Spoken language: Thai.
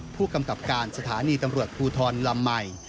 ผู้กำกับการสถานีตำรวจภูทรลำใหม่